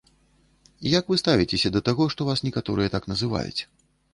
Як вы ставіцеся да таго, што вас некаторыя так называюць?